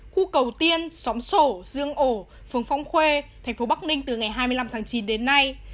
khu cầu tiên xóm sổ dương ổ phường phong khê thành phố bắc ninh từ ngày hai mươi năm tháng chín đến nay